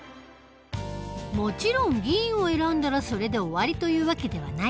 もちろん議員を選んだらそれで終わりという訳ではない。